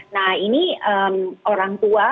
nah ini orang tua